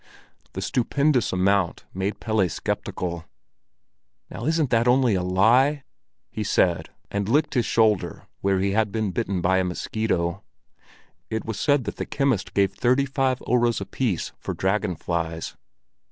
The stupendous amount made Pelle skeptical. "Now isn't that only a lie?" he said, and licked his shoulder where he had been bitten by a mosquito. It was said that the chemist gave thirty five öres apiece for dragon flies.